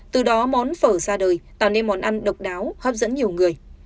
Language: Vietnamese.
từ đó món phở ra đời tạo nên món ăn độc đáo hấp dẫn nhiều người